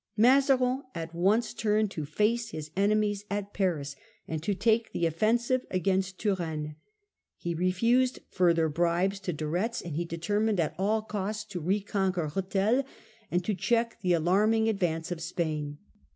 Mazarin at once turned to face his enemies at Paris and to take the offensive against Turenne. He refused further bribes to De Retz, and he determined at all costs to reconquer Rethel and to check the alarming advance The New Fronde . 165a of Spain.